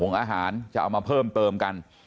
อาหารจะเอามาเพิ่มเติมกัน